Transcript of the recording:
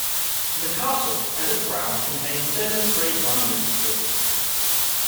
The Castle and its grounds contain seven Grade One listed buildings.